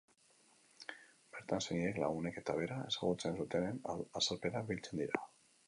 Bertan, senideek, lagunek eta bera ezagutzen zutenen azalpenak biltzen dira.